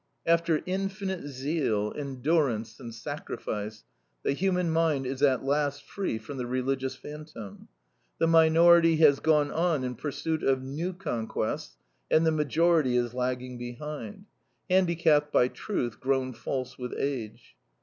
After infinite zeal, endurance, and sacrifice, the human mind is at last free from the religious phantom; the minority has gone on in pursuit of new conquests, and the majority is lagging behind, handicapped by truth grown false with age.